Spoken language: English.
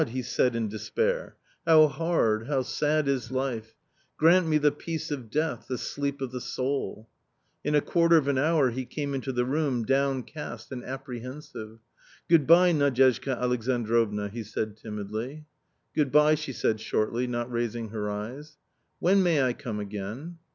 he said is despair, <c how hard, how sad is life I Grant me the peace of death, the sleep ot the soul/' In a quarter of an hour he came into the room, downcast and apprehensive. " Good bye, Nadyezhda Alexandrovna," he said timidly. 11 Good bye," she said shortly, not raising her eyes. " When may I come again